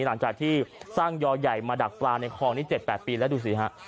หลังจากที่สร้างยอใหญ่มาดักปลาในคลองนี้๗๘ปีแล้วดูสิฮะ